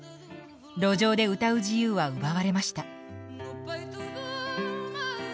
路上で歌う自由は奪われました。